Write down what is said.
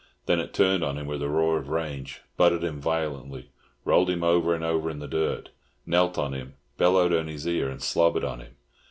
Then it turned on him with a roar of rage, butted him violently, rolled him over and over in the dirt, knelt on him, bellowed in his ear, and slobbered on him.